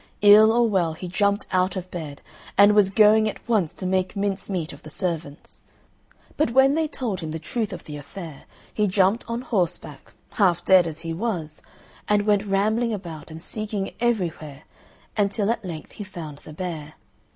Ill or well he jumped out of bed, and was going at once to make mincemeat of the servants. But when they told him the truth of the affair, he jumped on horseback, half dead as he was, and went rambling about and seeking everywhere, until at length he found the bear.